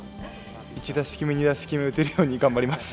１打席目、２打席目で打てるように頑張ります。